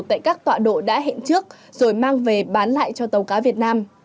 tại các tọa độ đã hẹn trước rồi mang về bán lại cho tàu cá việt nam